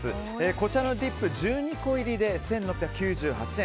こちらのディップ１２個入りで１６９８円。